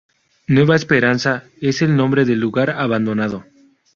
Nueva Esperanza es el nombre del lugar abandonado.